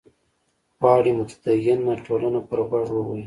غواړي متدینه ټولنه پر غوږ ووهي.